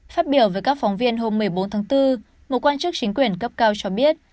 phát biểu với các phóng viên hôm một mươi bốn tháng bốn một quan chức chính quyền cấp cao cho biết